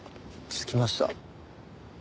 着きました。